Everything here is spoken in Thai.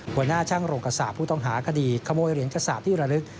หัวหน้าช่างโรงกระสาปผู้ต้องหาคดีขโมยเหรียญกระสาปที่ระลึก